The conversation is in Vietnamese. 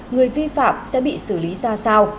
người vi phạm sẽ bị xử lý ra sao